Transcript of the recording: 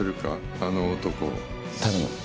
あの男を。